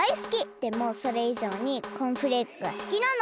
でもそれいじょうにコーンフレークがすきなの！